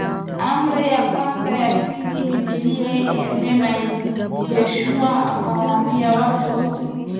Amri ya kwanza na ya Pili Biblia yasema hivi Yoshua akawaambia watu wote